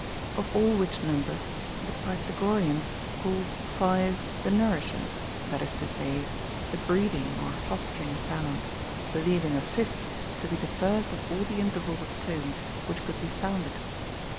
Of all which numbers the Pythagoreans called five the nourisher, that is to say, the breeding or fostering sound, believing a fifth to be the first of all the intervals of tones which could be sounded.